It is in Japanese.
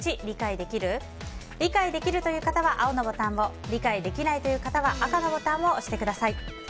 理解できるという方は青のボタンを理解できないという方は赤のボタンを押してください。